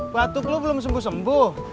batuk lo belum sembuh sembuh